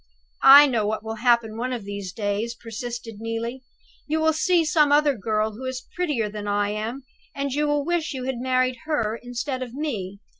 "I know what will happen one of these days," persisted Neelie. "You will see some other girl who is prettier than I am; and you will wish you had married her instead of me!"